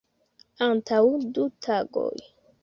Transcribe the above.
Antaŭ du tagoj.